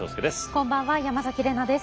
こんばんは山崎怜奈です。